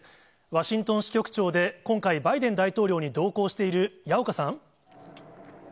ワシントン支局長で、今回、バイデン大統領に同行している矢岡さん。